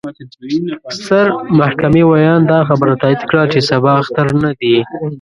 ستر محكمې وياند: دا خبره تايد کړه، چې سبا اختر نه دې.